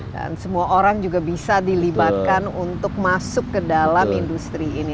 dan semua orang juga bisa dilibatkan untuk masuk ke dalam industri ini